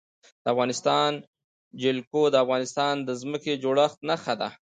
د افغانستان جلکو د افغانستان د ځمکې د جوړښت نښه ده.